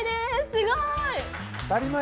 すごい！